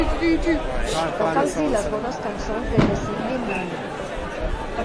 Toca'ls-hi les bones cançons de The Singing Nun.